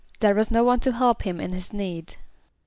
=There was no one to help him in his need.